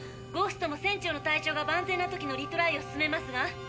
ゴーストも船長の体調が万全な時のリトライをすすめますが？